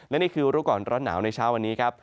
และนี่คือรู้ก่อนร้อนหนาวในเช้าวันนี้ครับ